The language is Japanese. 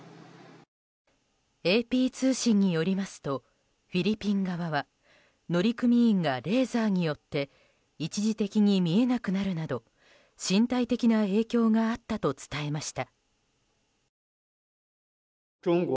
ＡＰ通信によりますとフィリピン側は乗組員がレーザーによって一時的に見えなくなるなど身体的な影響があったと伝えました。